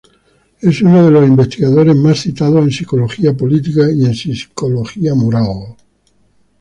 Es uno de los investigadores más citados en psicología política, y en psicología moral.